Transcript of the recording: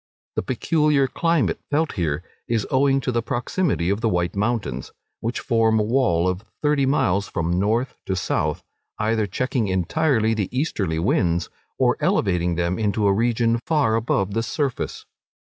The peculiar climate felt here, is owing to the proximity of the White Mountains, which form a wall of thirty miles from north to south, either checking entirely the easterly winds, or elevating them into a region far above the surface.